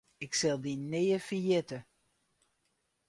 Ik sil dy nea ferjitte.